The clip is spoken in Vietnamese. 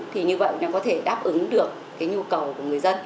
thì như vậy nó có thể đáp ứng được cái nhu cầu của người dân